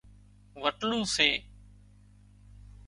وٽلُو سي